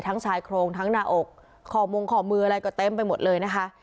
ชายโครงทั้งหน้าอกข้อมงขอมืออะไรก็เต็มไปหมดเลยนะคะ